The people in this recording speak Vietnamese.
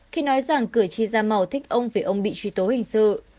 khi nói rằng cửa chi da màu thích ông vì ông bị truy tố hình sự